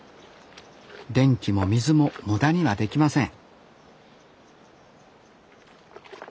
電気も水も無駄にはできません